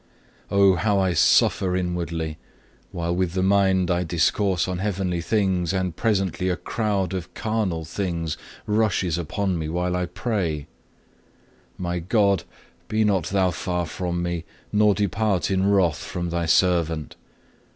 5. Oh how I suffer inwardly, while with the mind I discourse on heavenly things, and presently a crowd of carnal things rusheth upon me whilst I pray. My God, be not Thou far from me, nor depart in wrath from Thy servant.